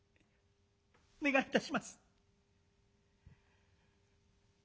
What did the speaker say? お願いいたします」。